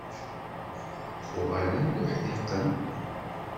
Uɣalen d uḥdiqen.